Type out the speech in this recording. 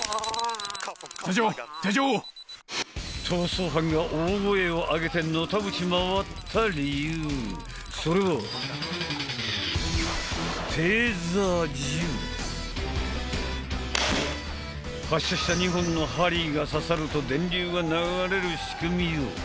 逃走犯が大声を上げてのたうち回った理由それは発射した２本の針が刺さると電流が流れる仕組みよ